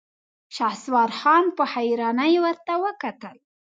شهسوار خان په حيرانۍ ورته کتل.